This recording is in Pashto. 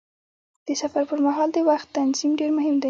د سفر پر مهال د وخت تنظیم ډېر مهم دی.